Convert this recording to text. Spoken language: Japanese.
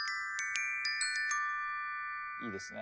いいですね。